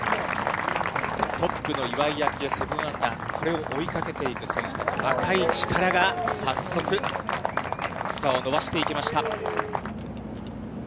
トップの岩井明愛７アンダー、これを追いかけていく選手たち、若い力が早速スコアを伸ばしていきました。